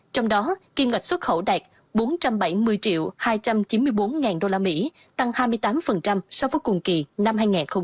trong đó kiên ngạch xuất khẩu đạt bốn trăm bảy mươi triệu hai trăm chín mươi bốn ngàn đô la mỹ tăng hai mươi tám so với cuối cùng kỳ năm hai nghìn hai mươi một